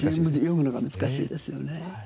読むのが難しいですよね。